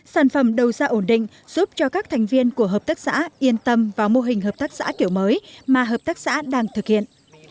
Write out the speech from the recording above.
sản phẩm đầu ra ổn định giúp cho các thành viên của hợp tác xã yên tâm vào mô hình hợp tác xã kiểu mới mà hợp tác xã đang thực hiện